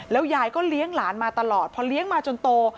ยายก็เลี้ยงหลานมาตลอดพอเลี้ยงมาจนโต